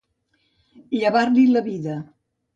Llevar-li la vida.